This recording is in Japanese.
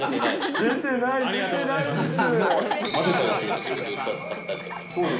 出てないです。